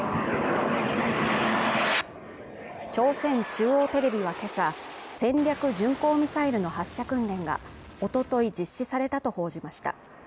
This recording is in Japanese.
朝鮮中央テレビはけさ戦略巡航ミサイルの発射訓練がおととい実施されたと報じました。